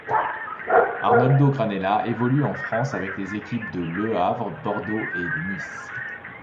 Arnoldo Granella évolue en France avec les équipes de Le Havre, Bordeaux et Nice.